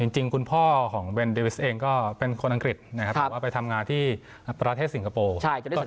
จริงคุณพ่อของเบนดิวิสเองก็เป็นคนอังกฤษนะครับแต่ว่าไปทำงานที่ประเทศสิงคโปร์